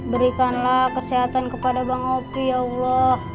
berikanlah kesehatan kepada bang opti ya allah